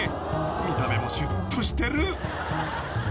［見た目もしゅっとしてる］